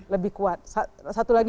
lebih kuat satu lagi